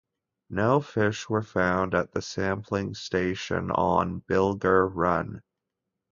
No fish were found at the sampling station on Bilger Run.